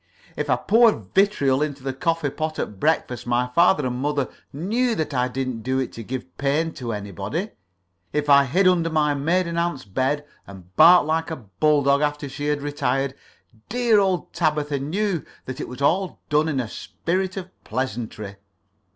If I poured vitriol into the coffee pot at breakfast my father and mother knew that I didn't do it to give pain to anybody. If I hid under my maiden aunt's bed and barked like a bull dog after she had retired, dear old Tabitha knew that it was all done in a spirit of pleasantry.